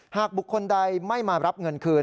หากบุคคลใดไม่มารับเงินคืน